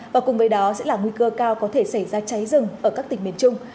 và cùng với đó sẽ là nguy cơ cao có thể xảy ra cháy rừng ở các tỉnh miền trung